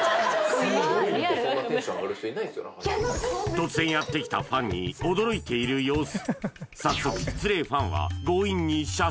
突然やってきたファンに驚いている様子